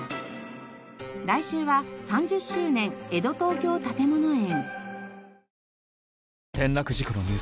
来週は３０周年江戸東京たてもの園。